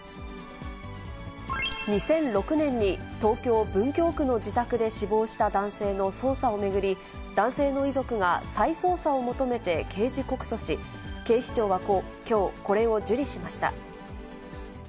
２００６年に東京・文京区の自宅で死亡した男性の捜査を巡り、男性の遺族が再捜査を求めて刑事告訴し、警視庁はきょう、これを受理しました。